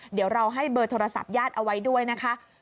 เดี๋ยวเราให้เบอร์โทรศัพท์ญาติเอาไว้ด้วยนะคะ